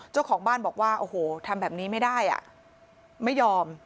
เจ้าของบ้านบอกว่าโอ้โหทำแบบนี้ไม่ได้ไม่ยอม